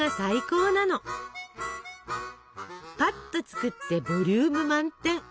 ぱっと作ってボリューム満点！